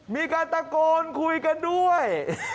มีการตะโกนคุยกันด้วย